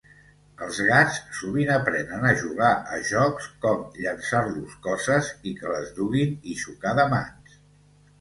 Els gats sovint aprenen a jugar a jocs com llençar-los coses i que les duguin i xocar de mans.